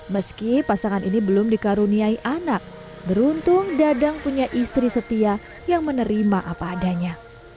meski pasangan ini belum dikaruniai anak beruntung dadang punya istri setia yang menerima apa adanya